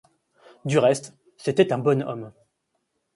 Du reste, c’était un bon homme.